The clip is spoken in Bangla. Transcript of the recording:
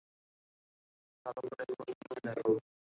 ভালো করে খোঁজ নিয়ে দেখো।